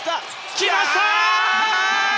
来ました！